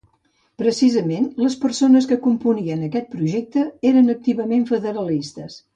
Precisament, les persones que componien aquest projecte eren activament federalistes.